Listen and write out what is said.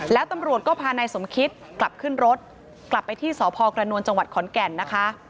แล้วตำรวจก็พานายสมคิตกลับขึ้นรถกลับไปที่สพกระนวลจังหวัดขอนแก่นนะคะ